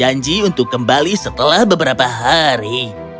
aku berjanji untuk kembali setelah beberapa hari